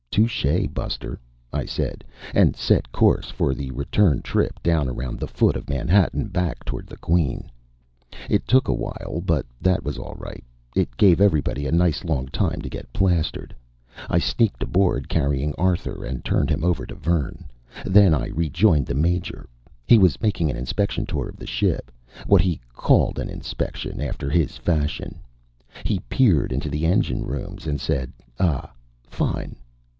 "Touché, buster," I said, and set course for the return trip down around the foot of Manhattan, back toward the Queen. It took a while, but that was all right; it gave everybody a nice long time to get plastered. I sneaked aboard, carrying Arthur, and turned him over to Vern. Then I rejoined the Major. He was making an inspection tour of the ship what he called an inspection, after his fashion. He peered into the engine rooms and said: "Ah, fine."